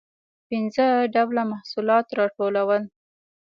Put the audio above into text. پنځه ډوله محصولات راټولول.